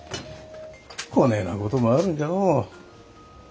こねえなこともあるんじゃのう。